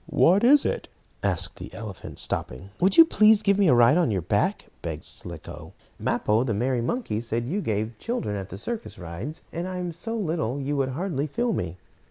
What is it?" asked the elephant, stopping. "Would you please give me a ride on your back," begged Slicko. "Mappo, the merry monkey, said you gave children at the circus rides, and I am so little you would hardly feel me."